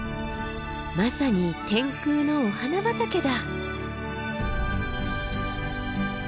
まさに天空のお花畑だ。